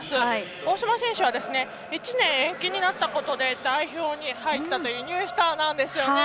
大島選手は１年延期になったことで代表に入ったというニュースターなんですよね。